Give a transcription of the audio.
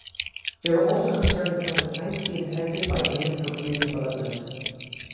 There were also concerns about the site being affected by inappropriate development.